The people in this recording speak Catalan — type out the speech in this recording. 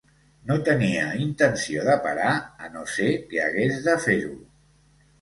No tenia intenció de parar a no ser que hagués de fer-ho.